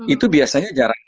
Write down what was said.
itu biasanya jaraknya